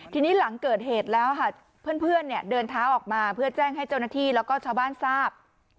ทีนี้หลังเกิดเหตุแล้วค่ะเพื่อนเนี่ยเดินเท้าออกมาเพื่อแจ้งให้เจ้าหน้าที่แล้วก็ชาวบ้านทราบ